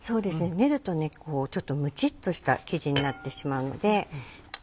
練るとちょっとムチっとした生地になってしまうので。